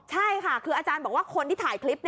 ใช่ค่ะคืออาจารย์บอกว่าคนที่ถ่ายคลิป